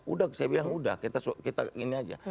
udah saya bilang udah kita ini aja